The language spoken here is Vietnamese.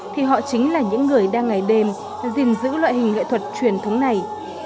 thì họ chính là những người đang ngày đêm gìn giữ loại hình nghệ thuật truyền thống này